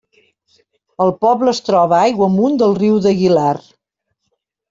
El poble es troba aigua amunt del riu d'Aguilar.